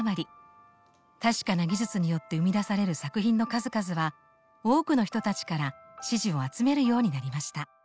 確かな技術によって生み出される作品の数々は多くの人たちから支持を集めるようになりました。